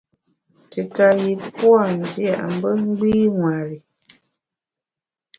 Tita yü pua’ ndia mbe gbî ṅweri.